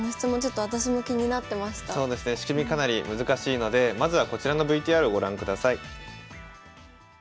仕組みかなり難しいのでまずはこちらのＶＴＲご覧ください。